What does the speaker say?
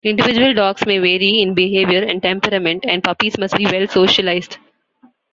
Individual dogs may vary in behaviour and temperament, and puppies must be well socialized.